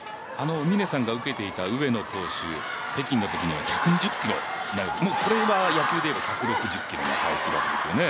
峰さんが受けていた上野投手、北京のときには１２０キロになるこれは野球でいえば１６０キロの感覚になるわけですね。